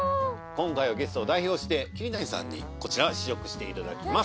今回はゲストを代表して桐谷さんに試食していただきます。